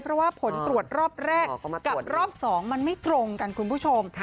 เพราะว่าผลตรวจรอบแรกกับรอบ๒มันไม่ตรงกันคุณผู้ชม